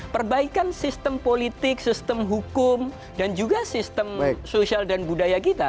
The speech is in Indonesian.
perbaikan sistem politik sistem hukum dan juga sistem sosial dan budaya kita